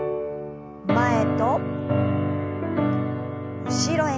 前と後ろへ。